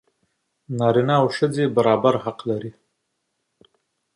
نارینه او ښځې مساوي حق لري.